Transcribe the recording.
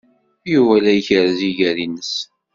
Yuba la ikerrez iger-nnes.